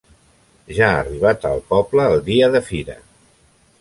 Ja ha arribat al poble el dia de fira.